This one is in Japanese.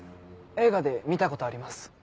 映画で見たことあります。